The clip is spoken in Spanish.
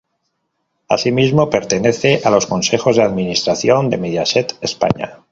Asimismo, pertenece a los Consejos de Administración de Mediaset España.